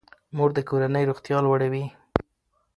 مور د کورنۍ روغتیا لوړوي.